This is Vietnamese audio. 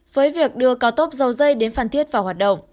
với việc đưa cao tốc dầu dây đến phan thiết vào hoạt động